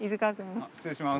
失礼します。